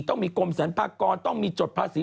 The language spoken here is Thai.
ต้องมีกรมสรรพากรต้องมีจดภาษี